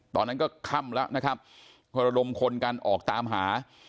ตอนนั้นก็ค่ำแล้วนะครับก็ระดมคนกันออกตามหา